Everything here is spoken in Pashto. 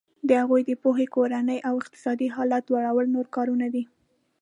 د هغوی د پوهې کورني او اقتصادي حالت لوړول نور کارونه دي.